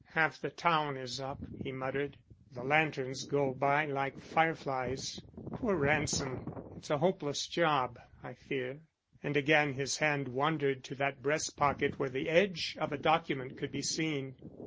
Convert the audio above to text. "Half the town is up," he muttered. "The lanterns go by like fire flies. Poor Ransom! It's a hopeless job, I fear." And again his hand wandered to that breast pocket where the edge of a document could be seen.